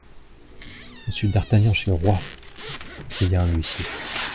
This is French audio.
Monsieur d'Artagnan chez le roi ! cria un huissier.